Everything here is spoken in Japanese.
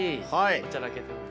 おちゃらけてます。